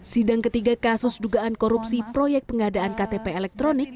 sidang ketiga kasus dugaan korupsi proyek pengadaan ktp elektronik